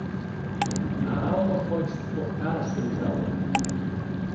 A alma pode suportar a solidão?